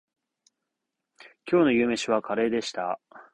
きょうの夕飯はカレーでした